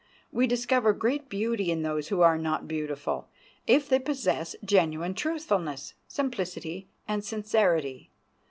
We discover great beauty in those who are not beautiful, if they possess genuine truthfulness, simplicity, and sincerity.